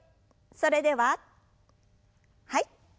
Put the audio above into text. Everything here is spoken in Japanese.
それでははい。